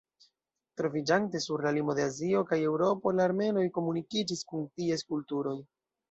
Troviĝante sur la limo de Azio kaj Eŭropo, la armenoj komunikiĝis kun ties kulturoj.